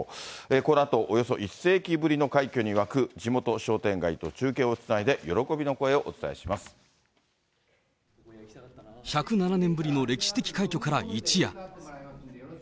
このあとおよそ１世紀ぶりの快挙に沸く地元商店街と中継をつない１０７年ぶりの歴史的快挙から一夜。